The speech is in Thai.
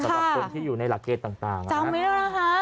สำหรับคนที่อยู่ในหลักเกศต่างนะฮะ